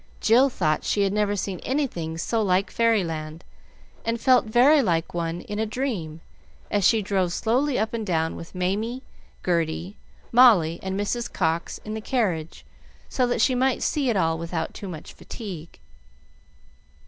Jill thought she had never seen anything so like fairy land, and felt very like one in a dream as she drove slowly up and down with Mamie, Gerty, Molly, and Mrs. Cox in the carriage, so that she might see it all without too much fatigue.